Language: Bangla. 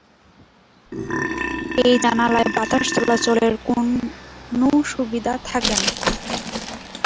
এই জানালায় বাতাস চলাচলের কোন সুবিধা থাকেনা।